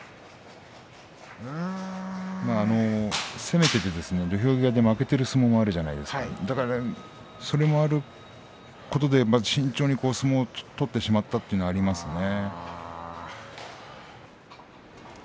攻めていって土俵際で負けている相撲もあるじゃないですかそれもあることで慎重に相撲を取ってしまったというのがありますね。